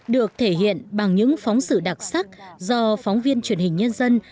được thể hiện bằng những phóng sự đặc sắc do phóng viên truyền hình nhân dân